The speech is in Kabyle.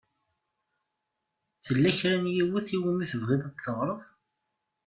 Tella kra n yiwet i wumi tebɣiḍ ad teɣṛeḍ?